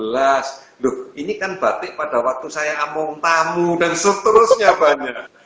loh ini kan batik pada waktu saya amung tamu dan seterusnya banyak